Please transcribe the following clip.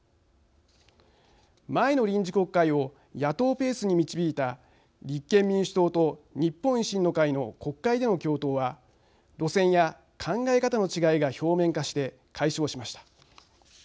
前の臨時国会を野党ペースに導いた立憲民主党と日本維新の会の国会での共闘は路線や考え方の違いが表面化して解消しました。